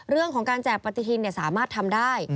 เรื่องของการแจกปฏิทินสามารถทำได้